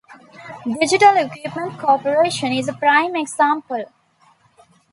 Digital Equipment Corporation is a prime exemplar.